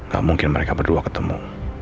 gak mungkin mereka berdua ketemu